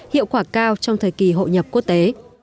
hiệu quả cao trong thời kỳ hội nhập quốc tế